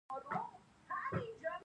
آیا او پایله نه ورکوي؟